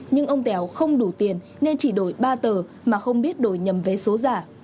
nhưng ông tèo không đủ tiền nên chỉ đổi ba tờ mà không biết đổi nhầm vé số giả